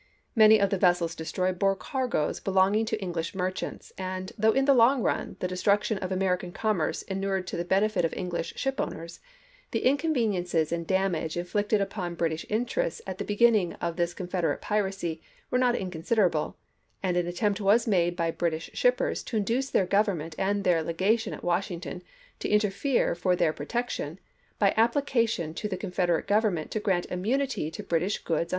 Many of the vessels destroyed bore cargoes belonging to English merchants, and though, in the long run, the destruction of American commerce inured to the benefit of English shipowners, the inconveniences and damage inflicted upon British interests at the beginning of this Confederate piracy were not inconsiderable, and an attempt was made by Brit ish shippers to induce their Government and their legation at Washington to interfere for their pro tection by application to the Confederate Gov DIPLOMACY OF 1862 ' 57 ernment to grant immunity to British goods on chap.